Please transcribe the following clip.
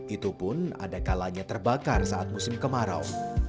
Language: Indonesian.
itu pun adekalanya terbakar saat musim kemarau